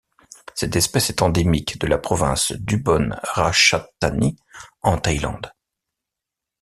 Cette espèce est endémique de la province d'Ubon Ratchathani en Thaïlande.